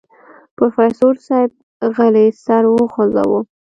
پروفيسر صيب غلی سر وخوځوه.